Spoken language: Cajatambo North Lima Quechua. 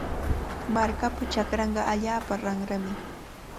Markapa chakranqa allaapa ranrami.